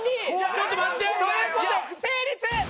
ちょっと待って。という事で不成立。